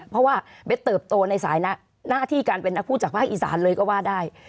เพราะว่าเบสเติบโตในสายหน้าที่การเป็นนักพูดจากภาคอีสานเลยก็ว่าได้